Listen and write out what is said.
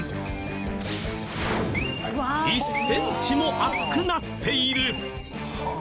１センチも厚くなっている！